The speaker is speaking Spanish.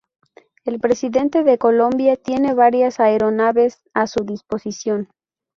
El Presidente de Colombia tiene varias aeronaves a su disposición.